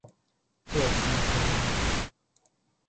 做心酸的